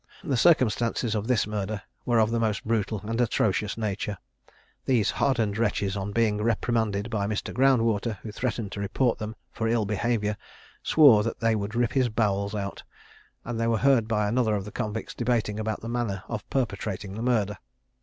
The circumstances of this murder were of the most brutal and atrocious nature. These hardened wretches, on being reprimanded by Mr. Groundwater, who threatened to report them for ill behaviour, swore that they would rip his bowels out; and were heard by another of the convicts debating about the manner of perpetrating the murder.